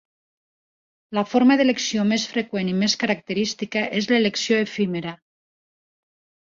La forma d'elecció més freqüent i més característica és l'elecció efímera.